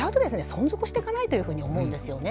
存続していかないというふうに思うんですよね。